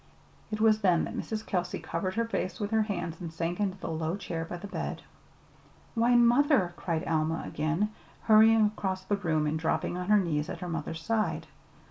It was then that Mrs. Kelsey covered her face with her hands and sank into the low chair by the bed. "Why, mother!" cried Alma again, hurrying across the room and dropping on her knees at her mother's side.